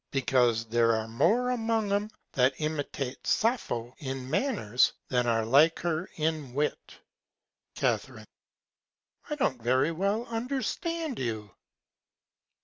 Because there are more among 'em that imitate Sappho in Manners, than are like her in Wit. Ca. I don't very well understand you.